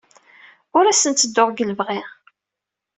Ur asent-ttedduɣ deg lebɣi.